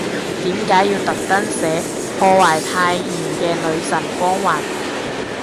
點解要特登寫，破壞太妍嘅女神光環